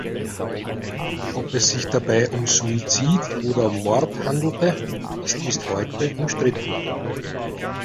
Ob es sich dabei um Suizid oder um Mord handelte, ist bis heute umstritten.